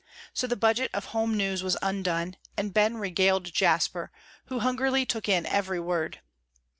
So the budget of home news was undone, and Ben regaled Jasper, who hungrily took in every word.